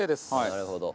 なるほど。